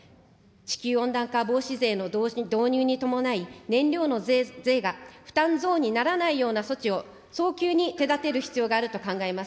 地球温暖化防止税の導入に伴い、燃料の税が負担増にならないような措置を早急にてだてる必要があると考えます。